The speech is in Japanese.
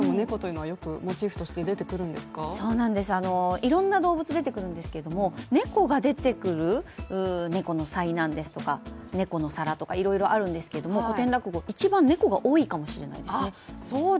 いろんな動物出てくるんですけれども、猫が出てくる「猫の災難」ですとか猫の皿とか、いろいろあるんですけれども古典落語、一番猫が多いかもしれないですね。